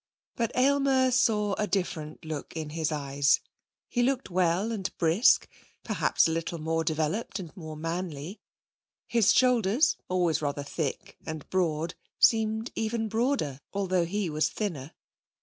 But Aylmer saw a different look in his eyes. He looked well and brisk perhaps a little more developed and more manly; his shoulders, always rather thick and broad, seemed even broader, although he was thinner.